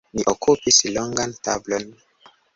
Ni okupis longan tablon.